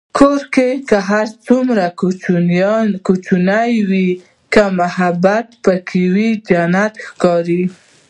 کور که هر څومره کوچنی وي، که محبت پکې وي، جنت ښکاري.